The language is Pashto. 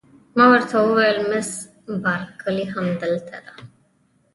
ما ورته وویل: مس بارکلي همدلته ده؟